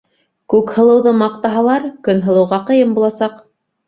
Күкһылыуҙы маҡтаһалар, Көнһылыуға ҡыйын буласаҡ...